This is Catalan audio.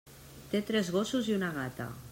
Té tres gossos i una gata.